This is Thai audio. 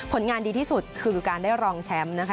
ผลงานดีที่สุดคือการได้รองแชมป์นะคะ